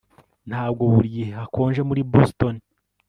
Ntabwo buri gihe hakonje muri Boston